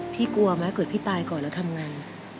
พี่กลัวแม้เกิดพี่ตายก่อนแล้วทำงาน